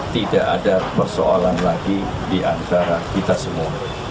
tidak ada persoalan lagi di antara kita semua